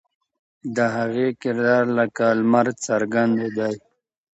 د هغې کردار لکه لمر څرګند دی.